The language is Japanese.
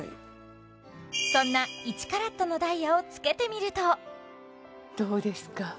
そんな１ｃｔのダイヤを着けてみるとどうですか？